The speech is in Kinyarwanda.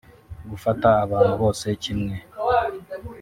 gufata abantu bose kimwe